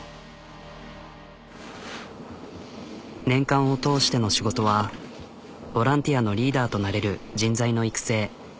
年間を通しての仕事はボランティアのリーダーとなれる人材の育成。